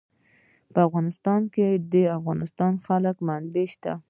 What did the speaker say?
په افغانستان کې د د افغانستان جلکو منابع شته.